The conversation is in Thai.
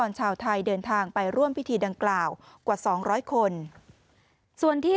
ชาวไทยเดินทางไปร่วมพิธีดังกล่าวกว่าสองร้อยคนส่วนที่